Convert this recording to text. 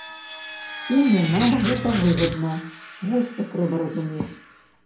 Сёння нам гэта выгадна, вось што трэба разумець.